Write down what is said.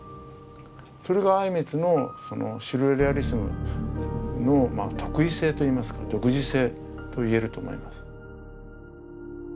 それが靉光のシュルレアリスムの特異性といいますか独自性といえると思います。